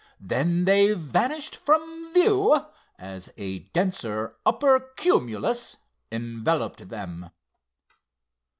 Then they vanished from view as a denser upper cumulus enveloped them.